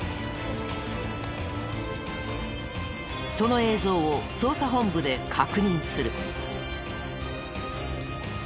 その映像を捜査本部で確認する。